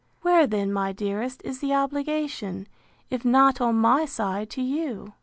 Where then, my dearest, is the obligation, if not on my side to you?